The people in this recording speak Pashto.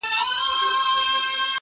د خپل ناموس له داستانونو سره لوبي کوي،